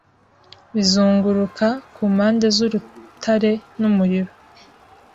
bizunguruka ku mpande zurutare numuriro